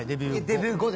デビュー後？